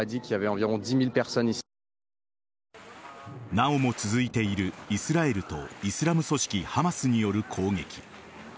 なおも続いているイスラエルとイスラム組織・ハマスによる攻撃。